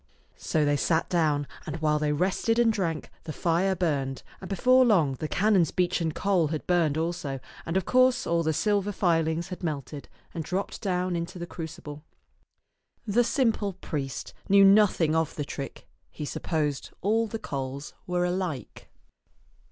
So they sat down, and while they rested and drank, the fire burned, and before long the canon's 2IO ^§e Canon' Vtoman'^ ^ak beechen coal had burned also, and of course all the silver filings had melted and dropped down into the crucible. The simple priest knew nothing of the trick; he supposed all the coals were alike.